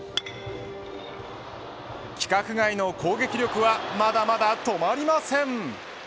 規格外の攻撃力はまだまだ止まりません。